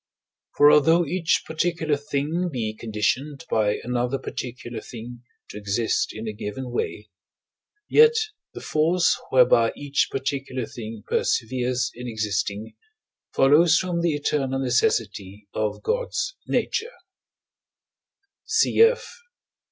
For although each particular thing be conditioned by another particular thing to exist in a given way, yet the force whereby each particular thing perseveres in existing follows from the eternal necessity of God's nature (cf.